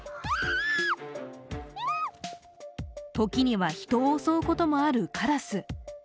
時には人を襲うこともあるカラス。